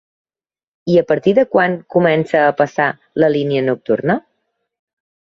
I a partir de quan comença a passar la línia nocturna?